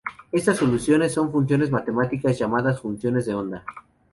Estas soluciones son funciones matemáticas llamadas funciones de onda.